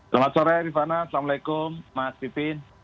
selamat sore rifana assalamualaikum mas pipin